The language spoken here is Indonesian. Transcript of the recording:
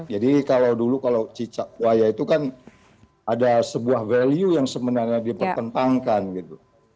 jadi kalau dulu kalau cicak buaya itu kan ada sebuah value yang sebenarnya dipertentangkan gitu